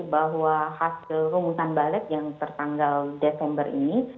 bahwa hasil rumusan balik yang tertanggal desember ini